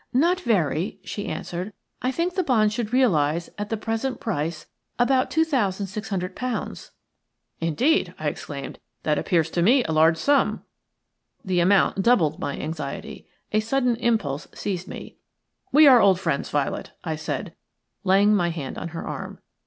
"Not very," she answered. "I think the bonds should realize, at the present price, about two thousand six hundred pounds." "Indeed!" I exclaimed. "That appears to me a large sum." The amount doubled my anxiety. A sudden impulse seized me. "We are old friends, Violet," I said, laying my hand on her arm.